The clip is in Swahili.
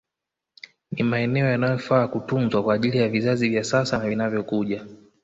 Ni maeneo yanayofaa kutunzwa kwa ajili ya vizazi vya sasa na vinavyokuja